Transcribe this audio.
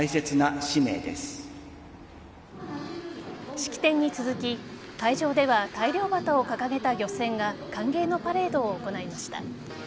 式典に続き、海上では大漁旗を掲げた漁船が歓迎のパレードを行いました。